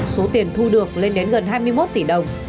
số tiền thu được lên đến gần hai mươi một tỷ đồng